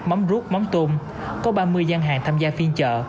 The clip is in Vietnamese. mắm rút mắm tôm có ba mươi gian hàng tham gia phiên chợ